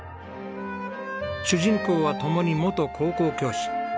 主人公は共に元高校教師。